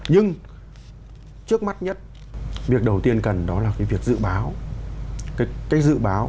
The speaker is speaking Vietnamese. nhưng trước mắt nhất việc đầu tiên cần đó là cái việc dự báo